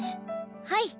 はい！